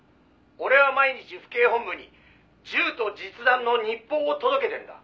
俺は毎日府警本部に銃と実弾の日報を届けてんだ」